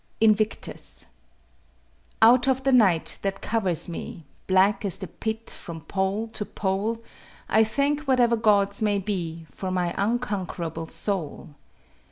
INVICTUS Out of the night that covers me, Black as the pit from pole to pole, I thank whatever Gods may be For my unconquerable soul.